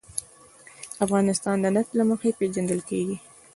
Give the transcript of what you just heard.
افغانستان د نفت له مخې پېژندل کېږي.